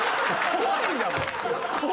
怖いんだもん！